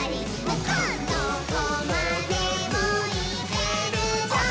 「どこまでもいけるぞ！」